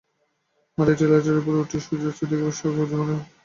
মাটির টিলাটির উপর উঠিয়া সূর্যস্ত দেখিবার শখ এ জীবনে আর একবারও শশীর আসিবে না।